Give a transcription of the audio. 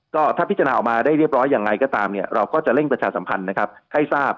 ก็ถ้าพิจารณาออกมาได้เรียบร้อยยังไงก็ตามเนี่ยเราก็จะเร่งประชาสัมพันธ์นะครับให้ทราบ